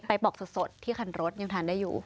บอกสดที่คันรถยังทานได้อยู่